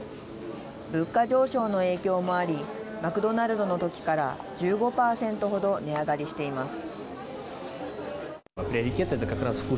物価上昇の影響もありマクドナルドのときから１５％ほど値上がりしています。